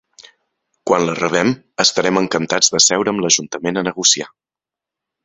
Quan la rebem, estarem encantats de seure amb l’ajuntament a negociar.